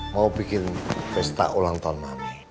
mau bikin pesta ulang tahun mami